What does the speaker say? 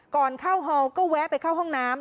ก่อนเข้าฮอลก็แวะไปเข้าห้องน้ำ